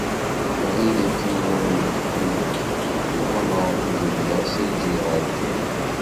Lɛid-agi, ad wen-d-teqqim d lameṛ i lebda si lǧil ɣer lǧil.